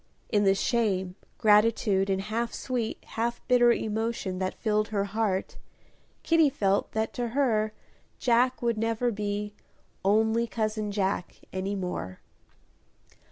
In the shame, gratitude, and half sweet, half bitter emotion that filled her heart, Kitty felt that to her Jack would never be "only cousin Jack" any more.